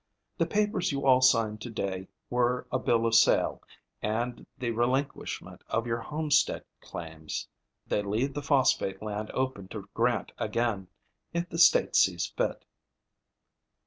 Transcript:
The papers you all signed to day were a bill of sale and the relinquishment of your homestead claims. They leave the phosphate land open to grant again, if the state sees fit."